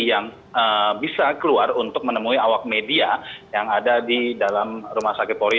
yang bisa keluar untuk menemui awak media yang ada di dalam rumah sakit polri